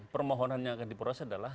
permohonannya yang akan diperoleh adalah